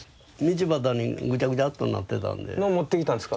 道端にぐちゃぐちゃっとなってたんで。